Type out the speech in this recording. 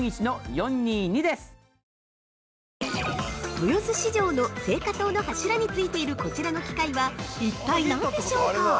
◆豊洲市場の青果棟の柱についているこちらの機械は一体何でしょうか？